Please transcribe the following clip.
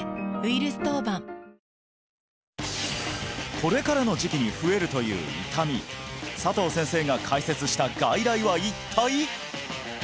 これからの時期に増えるという痛み佐藤先生が開設した外来は一体？